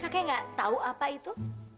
kakek gak tahu apa itu